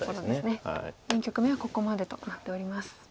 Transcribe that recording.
現局面はここまでとなっております。